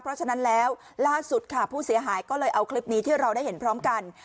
เพราะฉะนั้นแล้วล่าสุดค่ะผู้เสียหายก็เลยเอาคลิปนี้ที่เราได้เห็นพร้อมกัน